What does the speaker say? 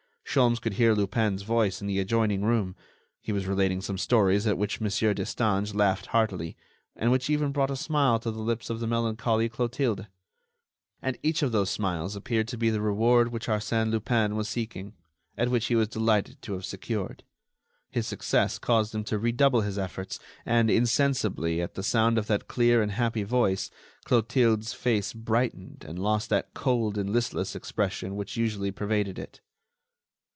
Sholmes could hear Lupin's voice in the adjoining room. He was relating some stories at which Mon. Destange laughed heartily, and which even brought a smile to the lips of the melancholy Clotilde. And each of those smiles appeared to be the reward which Arsène Lupin was seeking, and which he was delighted to have secured. His success caused him to redouble his efforts and, insensibly, at the sound of that clear and happy voice, Clotilde's face brightened and lost that cold and listless expression which usually pervaded it.